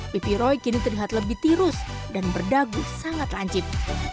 pipiroy kini terlihat lebih tirus dan berdagu sangat lancip